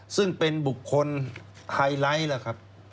ซึ่งเป็นบุคคลไฮไลท์